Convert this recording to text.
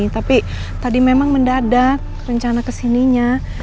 tapi tadi memang mendadak rencana kesininya